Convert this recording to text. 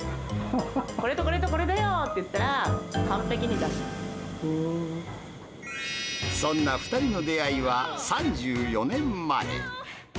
これとこれとこれだよって言ったそんな２人の出会いは３４年前。